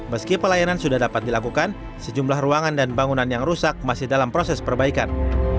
meski pelayanan sudah dapat dilakukan sejumlah ruangan dan bangunan yang rusak masih dalam proses perbaikan